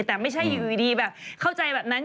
แต่ไม่ใช่อยู่ดีแบบเข้าใจแบบนั้น